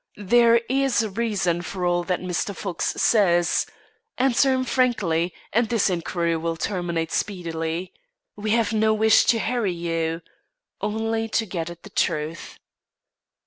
There is reason for all that Mr. Fox says. Answer him frankly, and this inquiry will terminate speedily. We have no wish to harry you only to get at the truth."